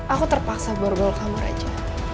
aku terpaksa borbol kamu raja